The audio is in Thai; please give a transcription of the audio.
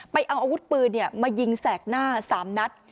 ไปเอาอาวุธปืนเนี้ยมายิงแสกหน้าสามนัด